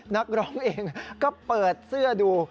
นักร้องเองก็เปิดเสื้อดู